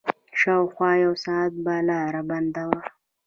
شاوخوا يو ساعت به لاره بنده وه.